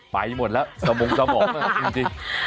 ไปหมดแล้วสมงค์จริง